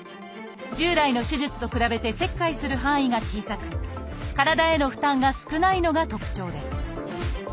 従来の手術と比べて切開する範囲が小さく体への負担が少ないのが特徴です